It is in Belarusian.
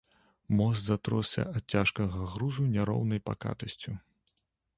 Мост затросся ад цяжкага грузу няроўнаю пакатасцю.